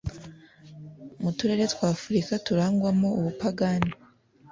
Mu turere twa Afurika turangwamo ubupagani